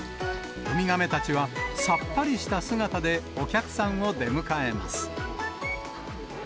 ウミガメたちはさっぱりした姿でお客さんを出迎えます。